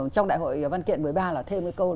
trong đại hội văn kiện một mươi ba là thêm cái câu